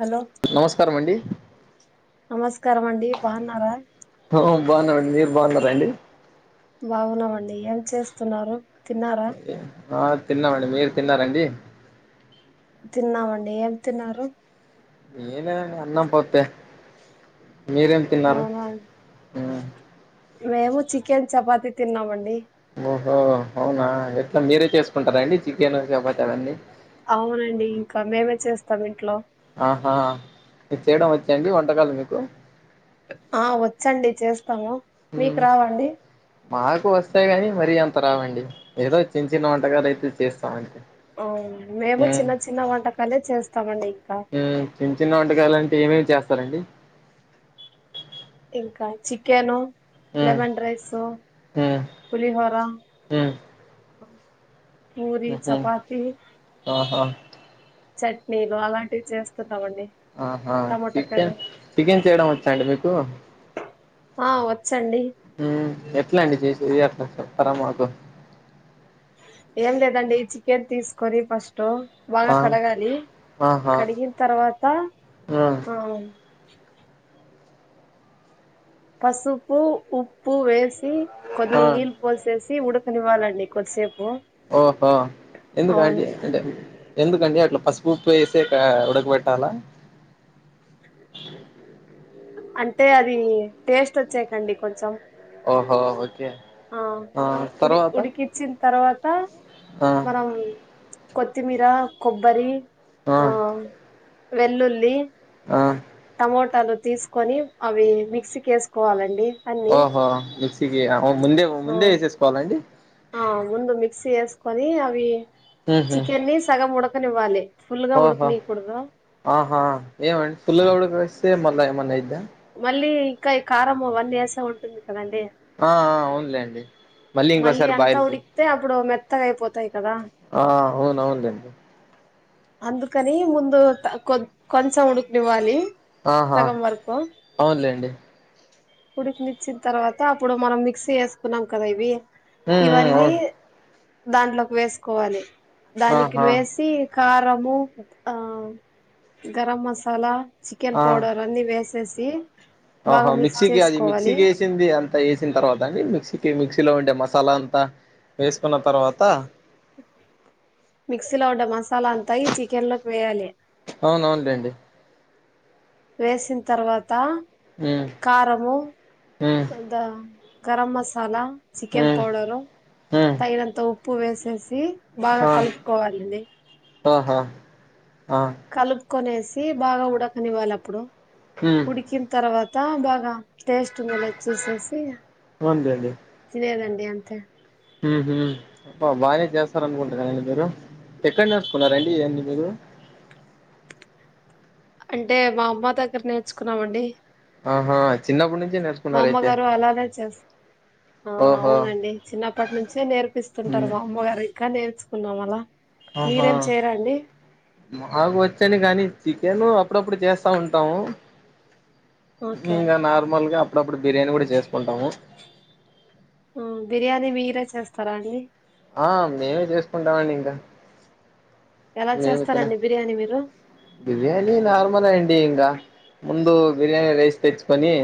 Hello నమస్కారం అండి నమస్కారమండి బావున్నారా బావున్నామండి మీరు బావున్నారా అండి బావున్నామండి ఏం చేస్తున్నారు తిన్నారా ఓకే ఆ తిన్నామండి మీరు తిన్నారండి తిన్నామండి ఏం తిన్నారు ఎ లేదండి అన్నం పప్పే మీరేం తిన్నారు అవునా ఆ మేము చికెన్ చపాతి తిన్నామండి ఓ ఓ అవునా ఎట్ల మీరే చేసుకుంటారా అండి చికెన్ చపా అవునండి కా మేమే చేస్తాం ఇంట్లో ఆహా మీకు చేయడం వచ్చా అండి వంటకాలు మీకు ఆ వచ్చండి చేస్ స్తాము మీకు మ్, రావ అండి మాకు వస్తాయి కాని మరీ అంత రావండి ఏదో చిన్న చిన్న వంటకాలు అయితే చేస్తామండి అవును మేము చిన్న చిన్న వంటకాలే చేస్తామండి ఇక మ్, చిన్న చిన్న వంటకాలంటే ఏమేమి చేస్తారండి ఇంకా చికెను మ్, లెమన్ రైసు మ్, పులిహోర పూరి ఉహు చపాతి ఆహా చట్నీలు అలాంటివి చేస్త ఆహా చికెన్ చికెన్ చేయడం వచ్చాండి మీకు ఆ వ ఎట్ల అండి చేసేది అ కొంచెం చెప్తారా మాకు ఏం లేదండి ఈ చికెన్ తీసుకొని ఫస్ట్ బాగా ఆ కడగాలి ఆహా కడిగిన తర్వాత ఆ పసుపు ఉప్పు వేసి తి ఆ కొన్ని నీళ్లు పోసేసి ఉడక కనివ్వాలండి కొద్దిసేపు ఓహా ఎందు అవును కాటి అంటె ఎందుకండి అట్లా పసుపు ఉప్పు వేసాక ఉడక పెట్టాలా అంటే అది టేస్ట్ వచ్చాయి కండి కొంచెం ఓహో ఒకే ఆ ఉడి ఉడికిచ్చిన తర్వాత ఆ మనం కొత్తిమీర కొబ్బరి ఆ వెల్లుల్లి ఆ టమోటాలు తీసుకొని అవి మిక్సీ కేసుకోవాలండి ఓహో మిక్సీకి అవ్ ముందే ఆ ముందేఎసేసుకోవాలండి ఆ ముందు మిక్సీ ఏసుకొని అవి చికెన్ ని సగం ఉడక ఉడకనివ్వాలి ఫుల్ గా ఓహ ఉడకనీయకూడదు ఆహా ఏమండి ఫులుగడకి వస్తే మ మల ఏమైనా అయితే మళ్ళీ ఇంకా ఈ కారం వన్ ఇయస ఉంటుంది కదండి ఆ ఆ అవునులేండి మళ్ళీ ఇంకోసారి అంతా బాయిల్ చే ఉడికితే అప్పుడు మెత్త అయిపోతయి ఆ అవునువునులేండి అందకని ముందు కొ కొంచసా ఉడుక్ నివ్వాలి ఆహా అవునులేండి కుడికినిచ్చిన తర్వాత అప్పుడు మనం మిక్సీ చేసుకున్నాం కదా ఇవి ఉమ్ ఉమ్ ఇవన్నీ అవును దాంట్లోకి వేసుకోవాలి దానికి ఆహా వేసి కారము ఆ గరం మసాలా చికెన్ ఆ పడర్ అన్ని వేస్ ససి ఆహా మిక్సీకి అది మిక్సీకి వేసింది అంతా వేసిన తర్వాత అండి మిక్సీకి మిక్సీ కిలో ఉండే మసాలా అంతా వేసుకున్న తర్వాత మిక్సీ లో ఉండ మసాలా అంతా ఇ చికెన్ లోకి వేయాలి అవునవునులేండి వేసిన తర్వాత ఉమ్ కారమో ఉమ్ అంత గరం మసాలా చికెన్ ఉమ్ పౌడరు ఉమ్ తైైనంత ఉప్ ప్పు వేసేసి బాగా ఆ కలుపుకోవాలిండి ఆహా ఆ కొనేసి బాగా ఉడకనివ్వాలి అప్పుడు ఉమ్ ఉడికిన తర్వా తా బాగా టేస్ట్ ఉందిలే చూసేసి అవునులేండి తినేదే అంతే అంతే ఊహుం అ బా జేస్త సార్ అనుకుంటు కదా అండి మీరు ఎక్కడ నేర్చుకున్నార అండి ఇయాన్నీ మీరు అంటే మా అమ్మ దగ్గర నేర్చుకున్నామండి ఆహా చిన్నప్పటి నుంచి మా నేర్చుకున్నారయితే అమ్మగారు అలానే చేస్త ఆ ఓహో అవునండి చిన్నప్పటి నుంచే నేర్పిస్తుంటారు ఉమ్. మా అమ్మగారి కా నేర్చుకున్నాం అలా అహా మీరేం చేయరాండి మకు వచ్చేని కానీ చికెన్నూ అప్పుడప్పుడు చేస్తూ ఉంటాము ఓకే ఇంకా నార్మల్గా అ ఇప్పుడు బిర్యానీ కూడా చేసుకుంటాము బిర్యానీ మీరే చేస్తారా అండి ఆ మేమే చేసుకుంటామండి ఇంకా ఎలా నేను నా చేస్తారండి బిర్యానీ మీరు బిర్యానీ నార్మల్ ఎ అండి ఇంకా ముందు బిర్యానీ రైస్ తెచ్చుకోని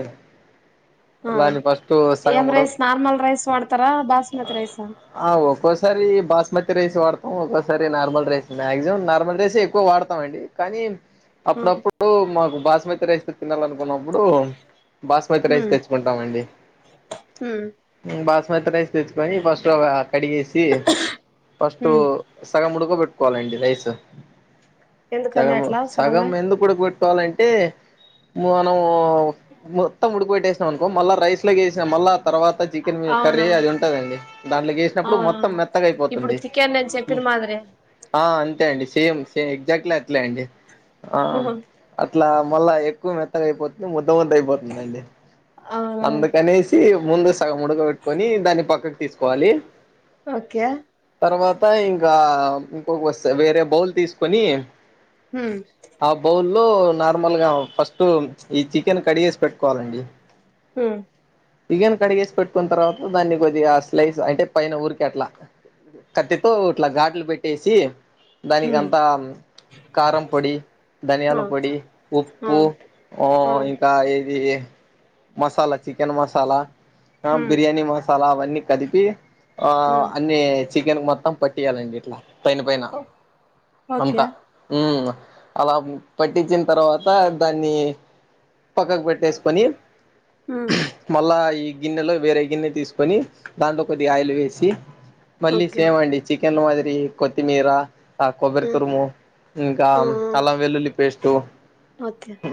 ఆ ఏం రైస్ ఉడక నార్మల్ రైస్ వాడతారా బాస్మతి రైసా ఆ తి రైసా వాడతాం ఒకసారి normal rice maximum normal rice ఎ ఎక్కువ వాడతామండి కానీ ఆ అప్పుడప్పుడు మాకు బాస్మతి రైస్ తినాలా ప్పుడు బాస్మతి రైస్ హ్మ్ తెచ్చుకుంటాండి హ్మ్ బా స్మతి రైస్ తెచ్చుకొని ఫాస్ట్ గా కడ్ చేసి ఫస్ట్ హ్మ్ సగం ఊడూ కోవిడ్ కోలండి రైస్ ఎందుకండి సగము అట్లా సగం సగమే ఎందుకు ఉడకు పెట్టుకోవాలంటే మనమ ఓ మొత్తం ఉడికి పెట్టేస్నం అనుకో మళ్ళా రైస్ లోకేసి ఛ మల్ల తర్వాత చికెన్ కర్రీ అవునా అది ఉంటది కదండి దాంట్ల యేసినప్పుడు మొత్తం అవునవును మెత్తగా ఇప్పుడు అయిపోతుంది. చికెన్ నేను చెప్పిన మాదిరి ఆ అంతే అండి సేమ్ సేమ్ ఎక్సట్లీ అట్లే అండి ఆమ్ ఆహా అత్ ఇట్లా మళ్ళా ఎక్కువ మెత్తగా అయిపోతుంది మొ లోన్ ది అయిపోతుందండి అవునవును అందుకనేసి ముందు సగం ఉడకబెట్టుకొని దాన్ని పక్కకి తీసుకోవాలి. ఓకే తర్వాత ఇంకా ఇంకొక వస్తె వేరే బౌల్ తీసుకొని హ్మ్ లో నార్మల్గా ఫస్ట్ ఈ చికెన్ కడిగేస్ పెట్టుకోవాలండి. హ్మ్ బియ్యాన్ని కడిగేసి పెట్టుకున్న తర్వాత దాన్ని కొద్దిగా స్లైస్ అంటే పైన ఊరికే అట్లా కత్తితో ఇట్లా ఘాట్లు పె ట్టేసి హ్మ్ దానికంతా కారం పొడి, ఆ ధనియాల పొడి, ఆ ఉప్పు ఆ ఇంకా ఇది మసాలా, చికెన్ మసాలా ఆ హ్మ్ బిర్యానీ మసాలా అవన్ అన్ని కలిపి ఆ అన్నీ చికెన్ మొత్తం పట్టియాలండి ఇట్లా పైన పైన ఓకే అంతా మ్ అలా పట్టించిన తర్వాత దాన్ని పక్కకు పెట్టేసుకొని మళ్ళా ఈ గిన్నెలో వేరే గిన్నె తీస్కొని దాంట్లో కొద్దిగా ఆయిల్ వేసి మళ్ళీ ఓకే ఓకే సేమ్ అండి చిక్ ను అదిరి కొత్తిమీరా కొబ్బరి తురుము ఇంకా అల్లం వెల్లుల్లి పేస్టు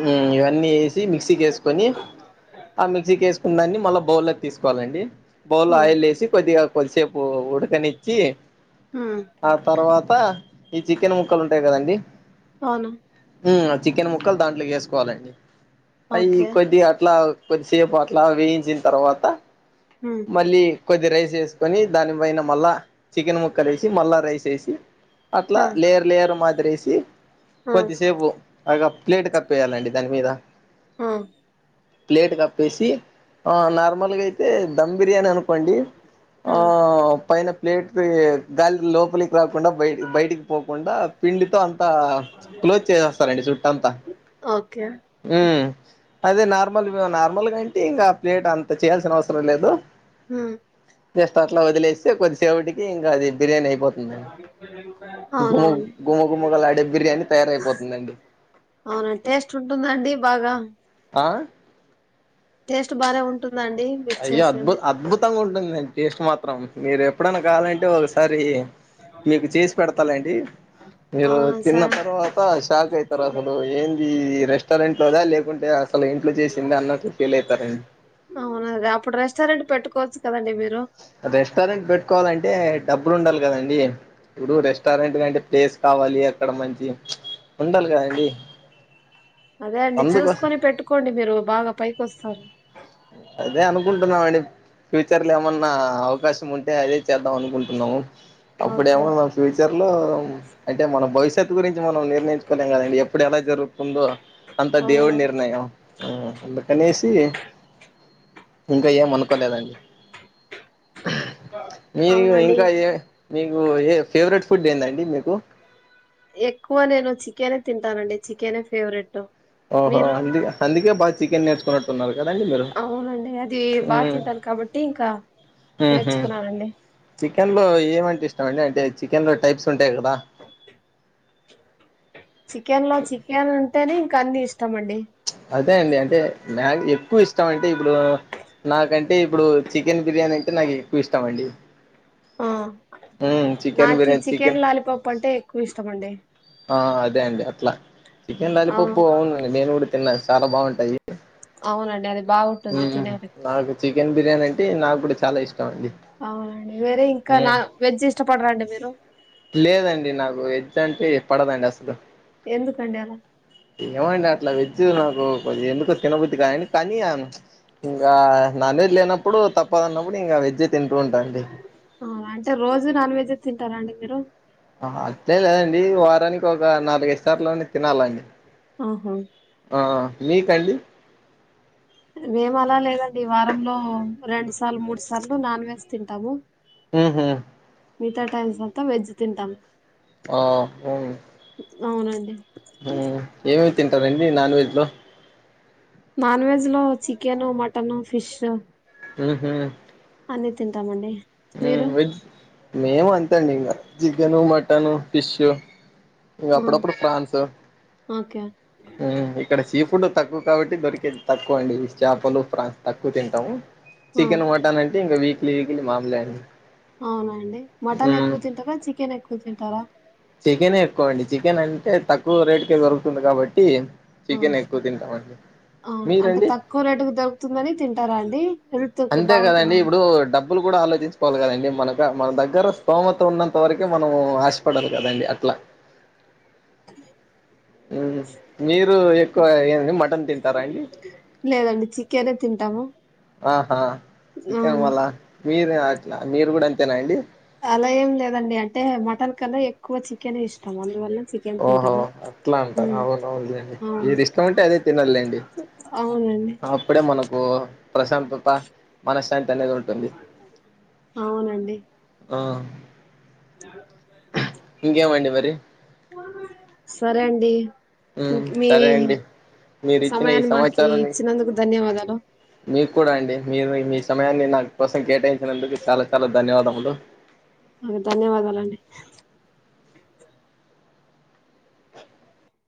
మ్ ఇవ అన్నీ ఏ మిక్సీకి వేసుకొని ఆ మిక్సీకి ఏస్ దాన్ని మళ్ళ బౌల్లో తీసుకోవాలండి. బౌల్లో ఆయిలేసి కొద్దిగ [unintelligible] పోకూడదని ఇచ్చి తర్వాత ఈ చికెన్ ముక్కలు ఉంటాయి కదండి అవును చికెన్ ముక్కలు దాంట్లోకి వేసుకోవాలండి. అయి ఓకే కొద్ది అట్లా కొద్దిసేపు అట్లా వేయించిన తర్వాత మళ్ళీ కొద్ది రైస్ వేసుకొని దానిపైన మళ్ళా చికెన్ ముక్క వేసి మళ్ళా రైస్ ఏసీ అట్లా లేరు లేరు మాది [unintelligible] సి కొద్దిసేపు అగా ప్లేట్ కప్పేయాలండి దాని మీద ఆ ప్లేట్ కప్పేసి ఆ నార్మల్గా అయితే దమ్ బిర్యానీ అను అండి ఆ పైన ప్లేట్ లో దాని లోపల పలి కాకుండా బయ బయటికి పోకుండా పిండితో అంతా క్లోజ్ చేసేస్తారండి చుట్ట అంతా ఓకే అదే నార్మల్ నార్మల్గాంటే ఇంకా ప్లేట్ అంత చేయాల్సిన అవసరం లేదు జస్ట్ అట్లా వదిలేస్తే కొద్దిసేవుటికి ఇంగ అది బిరియానీ అయ్ పొ అవునండి గుమ గుమగలాడే బిర్యానీ తయారైపోతుందండి అవున టేస్ట్ ఉంటుందండి. ఈ బాగా ఆ టేస్ట్ బానె ఉంటుదా అయ్యో అద్భు అద్భుత గా ఉంటుందండి. టేస్ట్ మాత్రం మీరు ఎప్పుడనా కావాలంటే ఒకసారి మీకు చేసి పెడతాలెండి మీరు అవునా తిన్న సార్ తర్వాత షాక్ ఐతరు అసలు ఏంది రెస్టారెంట్ లోదా లే కుంటే అసలు ఇంట్లో చేసింది అన్నటు ఫీల్ ఐతారండి ఇప్పుడు రెస్టారెంట్ పెట్కోచ్చు కదండి. మీరు రెస్టారెంట్ పెట్టుకోవలంటే డబ్బులు ఉండాలి కదండీ ఇప్పుడు రెస్టారెంట్ కంటే పెస్ కావాలి అక్కడ మంచి ఉండాలి కదండి. అదే అండి అందుకోసం చూసుకొని పెట్టుకోండి మీరు బాగా పైకి వస్తారు అదే అనుకుంటున్నామండి ఫ్యూచర్ లో ఏమన్నా అవకాశం ఉంటే అదే చేద్దాం అనుకుంటున్నము ఓకే అప్పుడేమో మన్ ఫ్యూచర్ లో అంటే మన భవిష్ తెత్ గురించి మనం నిర్ణయించుకోలేం కదండి ఎప్పుడు ఎలా జరుగుతుందో అంత దేవుడు అవును నిర్ణయం హు అందుకనేసి ఇంక ఏం అనుకోలేదండి మీరు అవునండి ఇంకా ఏ మీకు ఏ ఫేవరెట్ ఫుడ్ ఏందడి మీకు ఎక్కువ నేను చికెనే తింటానండి చికెనే ఫేవరెట్ ఓహో మీరు అదు అదుకే బ చికెన్ నేర్చుకోట్టున్నారు అవునండి అది బాగా తింటాను కాబట్టి ఇంకా ఉహు నేర్చుకున్నానండి తో డ టె చికెన్ లో టైప్స్ ఉంట చికెన్ లో చికెన్ అంటేనే కన్నెస్ అదే అండి అంటే నా మ్యాడ్ ఇప్ కువ్ ఇష్టం అంటే ఇప్పుడు నాకంటే ఇప్పుడు చికెన్ బిర్యానీ అంటే నాకు ఎక్కువ ఇష్టం అండి ఆ మ్మ్ చికెన్ నాకు బిర్యానీ చికెన్ లాలీపాప్ అంటే ఎక్కువ ఇష్టమండి ఆ అదే అండి అట్ల ఎ ఆ లాలీపాప్ బాగుదాడి నేను తిన్న చాలా బాగుంటాయి అవునండి అది బాగుంటుంది మ్మ్ తినాల నాకు చికెన్ బిర్యానీ అంటె నగ్గుడ చాలా ఇష్ అవునండి వేరే ఇంక నా వెజ్ ఇష్టపడరాండి మీరు వేజ్ అంటె పడదండి అసలు ఎందుకండి అలా ఎమడా అట్లా వి నాకు కొంచ ఎందుకు క పోటి కా కానీమ్ ఇంకా నాన్ వెజ్ లేనప్పుడు తప్పదున్నప్పుడు ఇంకా వెజ్జే తిన టూన్టా అండి అవునా అంటే రోజు నాన్ వెజ్ తింటారండి మీరు ఆహా అట్లే లేదండి వ తనీ కోక్ ఇ నాలుగైదు సార్లైన తినాలండి ఆహా ఆ మీకండి మేము అలా లేదండి వారంలో రెండు సార్లు మూడు సార్లు నాన్ వెజ్ తింటాము ఉహు మితా టైమ్స్ అంత వెజ్ తింటాం ఒ హ్మ్ అవునండి హ్మ్ ఏం తిన్ టారండి నాన్ వెజ్ లో నాన్ వెజ్ లో చికెను మటను ఫిష్ ఊహు అన్ని తింటామండి మీరు మేమంతే అంతే ఇగ చికెను మటన్ టను ఫిష్ ఇంక ఆ, అప్పుడప్పుడు ఫ్రాన్స్ ఓకే మ్ ఇక్కడ సీ ఫుడ్ తక్కువ కాబట్టి దొరికేది తక్కువ అండి చేపలు ఫ్రాన్స్ తక్కువ తింటాము ఆ, చికెన్ మటన్ అయి అంతే ఇగ వీక్లీ వీక్లీ నాన్ [inaudible] అవునా అండి మటన్ ఎక్కువ తింటారా చికెన్ ఎక్కువ తింటా తారా చికెనే ఎక్కువ అండి చికెన్ అంటే తక్కువ రేటు కే దొరుకుతుంది కాబట్టి మ్ చికెన్ ఎక్కువ తింటామండి అవును అంటే మీరండి తక్కువ రెటుకు దొరుకుతుందని తింటారా అండి అంతే కదండి బాగుంటుందని ఇప్పుడు డబ్బు డబ్బులు కూడా ఆలోచించుకోవాలి కదండి మనక మన దగ్గర స్థోమత ఉన్నంత వరక మనం ఆశపడాలి కదండి అట్లా మీరు ఎక్కువ ఏ మటన్ తింటారా అండి లేదండి చికెనే తింటాము ఆహా చికెన్ అవును వాళ మీరు అలా మీరు కూడా అంతేనా అండి అలా ఏం లేదండి అంటే మటన్ కన్నా ఎక్కువ చికెన్ ఇష్టాం అందువల్ల చికెన్ ఓహో తింటాము అట్లా అంటారు ఉమ్, అవునవునులేండి అవును ఏది ఇష్టం అంటే అదే తినదులేండి అవునండి అప్పుడే మనకు ప్రశాంతత మనశ్శాంతి అనేది ఉంటుంది అవునండి అ ఏ సరే అండి ఉమ్ మీ సరే అండి మీరు ఇచ్చిన ఈ సమయాన్ని మాకి సమాచారాన్ని ఇచ్చినందుకు ధన్యవాదాలు ధా మీకు కూడా అండి మీరు మీ సమయాన్ని నా కోసం కేటాయిినందుకు చాలా చాలా ధన్యవాదములు ధన్యవాదాలండి